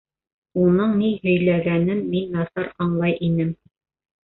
Уның ни һөйләгәнен мин насар аңлай инем.